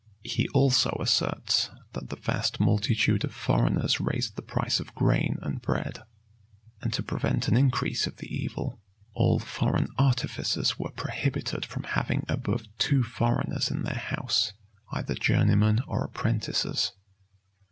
[] He also asserts, that the vast multitude of foreigners raised the price of grain and bread.[] And to prevent an increase of the evil, all foreign artificers were prohibited from having above two foreigners in their house, either journeymen or apprentices.